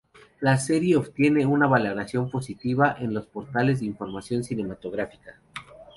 La serie obtiene una valoración positiva en los portales de información cinematográfica.